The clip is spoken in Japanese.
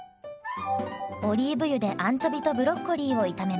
オリーブ油でアンチョビとブロッコリーを炒めます。